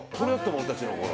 俺たちの頃は。